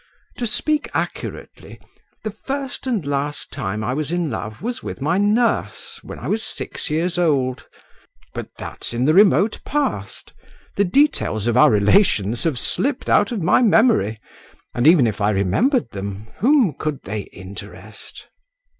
To speak accurately, the first and last time I was in love was with my nurse when I was six years old; but that's in the remote past. The details of our relations have slipped out of my memory, and even if I remembered them, whom could they interest?"